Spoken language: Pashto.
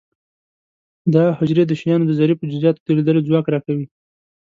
دا حجرې د شیانو د ظریفو جزئیاتو د لیدلو ځواک را کوي.